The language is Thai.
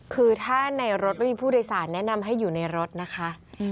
คือถ้าในรถไม่มีผู้โดยสารแนะนำให้อยู่ในรถนะคะ